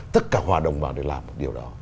tất cả hòa đồng vào để làm một điều đó